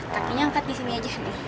takinya angkat di sini aja nih